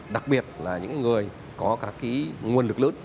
đặc biệt là những người có các nguồn lực lớn